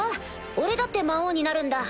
俺だって魔王になるんだ。